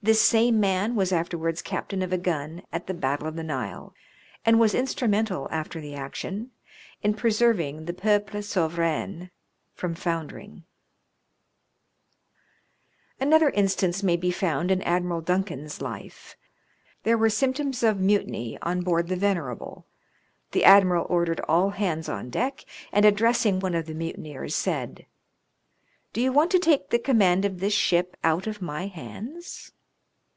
This same man was afterwards captain of a gun at the Battle of the Nile, and was instrumental after the action in preserving the Peuple Souverain from foundering. MARINE PUNISHMENTS. 123 Another instance may be found in Admiral Duncan's life. There were symptoms of mutiny on board the Venerable ; the admiral ordered all hands on deck, and, addressing one of the mutineers, said, "Do you want to take the command of this ship out of my hands